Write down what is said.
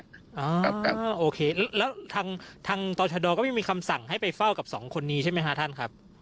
อ่าโอเคแล้วทางตรชดก็ไม่มีคำสั่งให้ไปเฝ้ากับสองคนนี้ใช่ไหมฮะท่านครับ